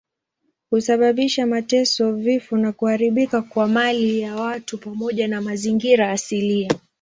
Husababisha mateso, vifo na kuharibika kwa mali ya watu pamoja na mazingira asilia.